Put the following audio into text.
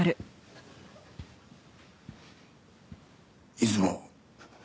出雲。